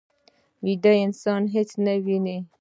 ویده انسان هېڅ نه ویني